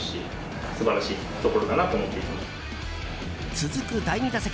続く第２打席。